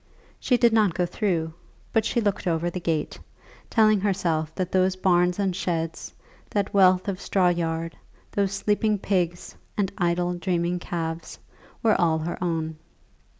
She did not go through, but she looked over the gate, telling herself that those barns and sheds, that wealth of straw yard, those sleeping pigs and idle dreaming calves, were all her own.